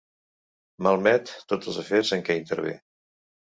Malmet tots els afers en què intervé.